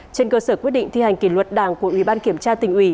trên cơ sở quyết định thi hành kỷ luật đảng của ủy ban kiểm tra tỉnh ủy